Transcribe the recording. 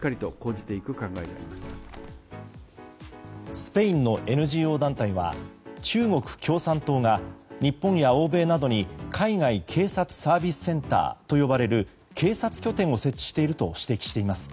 スペインのＮＧＯ団体は中国共産党が日本や欧米などに海外警察サービスセンターと呼ばれる警察拠点を設置していると指摘しています。